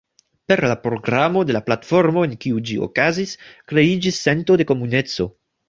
Per la programo kaj la platformo en kiu ĝi okazis, kreiĝis sento de komuneco.